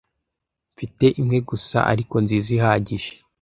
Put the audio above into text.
mfite imwe gusa ariko nziza ihagije